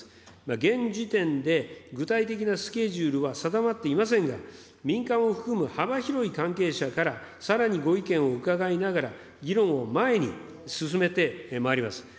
現時点で、具体的なスケジュールは定まっていませんが、民間を含む幅広い関係者から、さらにご意見を伺いながら、議論を前に進めてまいります。